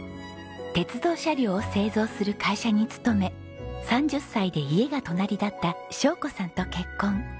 鉄道車両を製造する会社に勤め３０歳で家が隣だった晶子さんと結婚。